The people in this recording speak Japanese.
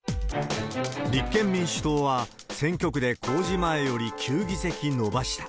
立憲民主党は、選挙区で公示前より９議席伸ばした。